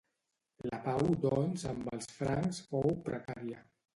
La pau doncs amb els francs fou precària.